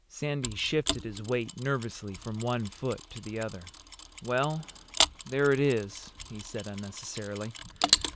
Sandy shifted his weight nervously from one foot to the other. "Well, there it is," he said unnecessarily.